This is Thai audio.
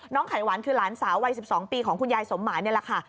ไขหวานคือหลานสาววัย๑๒ปีของคุณยายสมหมายนี่แหละค่ะ